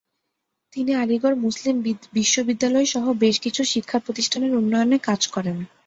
তিনি আলিগড় মুসলিম বিশ্ববিদ্যালয়সহ বেশ কিছু শিক্ষাপ্রতিষ্ঠানের উন্নয়নে কাজ করেন।